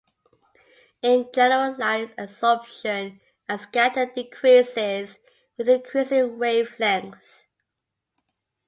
In general, light absorption and scattering decreases with increasing wavelength.